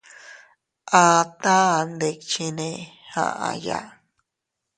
Aata ndikchinne aʼaya.